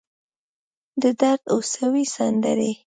د درد اوسوي سندرې